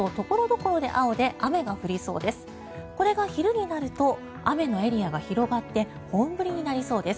これが昼になると雨のエリアが広がって本降りになりそうです。